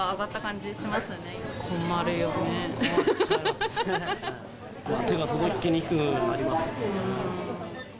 手が届きにくくなりますよね。